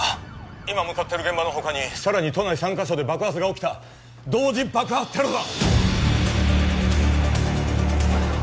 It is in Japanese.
今向かってる現場の他にさらに都内３カ所で爆発が起きた同時爆破テロだ！